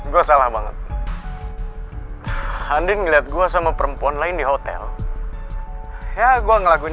gua salah banget andin lihat gua sama perempuan lain di hotel ya gua ngelakuin